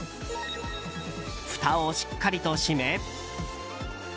ふたをしっかりと閉め。